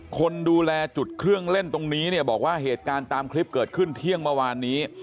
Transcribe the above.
คนดูแลจุดเครื่องเล่นตรงนี้เนี่ยบอกว่าเหตุการณ์ตามคลิปเกิดขึ้นเที่ยงเมื่อวานนี้